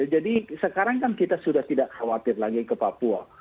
jadi sekarang kan kita sudah tidak khawatir lagi ke papua